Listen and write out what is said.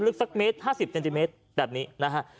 ลึกสักเมตร๕๐เซนติเมตรแบบนี้นะฮะ